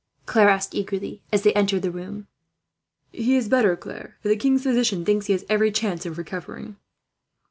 Claire asked eagerly, as they entered the room. "He is better, Claire. The king's physician thinks he has every chance of recovering."